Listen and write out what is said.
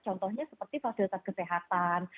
contohnya seperti fasilitas kesehatan